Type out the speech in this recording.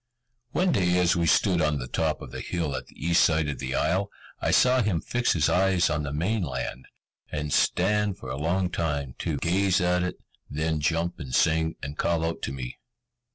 One day as we stood on the top of the hill at the east side of the isle, I saw him fix his eyes on the main land, and stand for a long time to, gaze at it; then jump and sing, and call out to me.